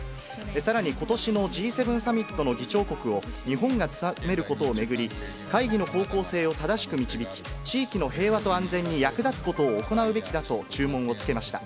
さらにことしのＧ７サミットの議長国を日本が務めることを巡り、会議の方向性を正しく導き、地域の平和と安定に役立つことを行うべきだと注文をつけました。